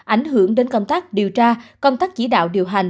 ảnh hưởng đến công tác điều tra công tác chỉ đạo điều hành